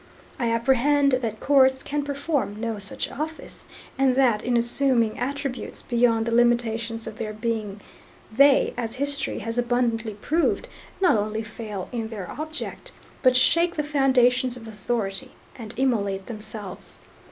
" I apprehend that courts can perform no such office and that in assuming attributes beyond the limitations of their being they, as history has abundantly proved, not only fail in their object, but shake the foundations of authority, and immolate themselves.